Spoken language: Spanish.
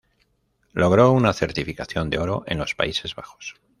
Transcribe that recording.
Logró una certificación de oro en los Países Bajos.